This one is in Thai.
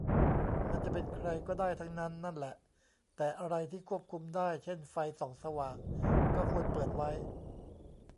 มันจะเป็นใครก็ได้ทั้งนั้นนั่นแหละ แต่อะไรที่ควบคุมได้ เช่นไฟส่องสว่าง ก็ควรเปิดไว้